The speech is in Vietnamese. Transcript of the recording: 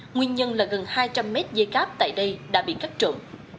nguyên nhân là gần hai trăm linh mét dây cáp tại đây đã bị cắt trộn